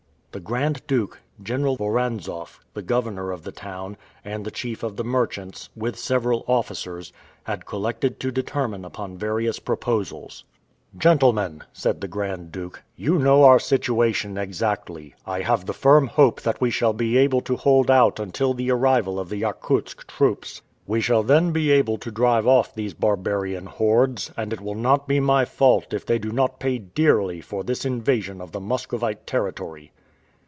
The Grand Duke, General Voranzoff, the governor of the town, and the chief of the merchants, with several officers, had collected to determine upon various proposals. "Gentlemen," said the Grand Duke, "you know our situation exactly. I have the firm hope that we shall be able to hold out until the arrival of the Yakutsk troops. We shall then be able to drive off these barbarian hordes, and it will not be my fault if they do not pay dearly for this invasion of the Muscovite territory."